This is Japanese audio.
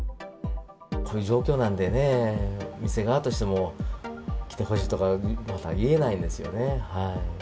こういう状況なんでね、店側としても、来てほしいとか言えないんですよね。